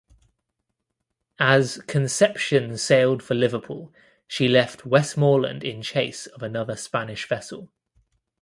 As "Conception" sailed for Liverpool she left "Westmoreland" in chase of another Spanish vessel.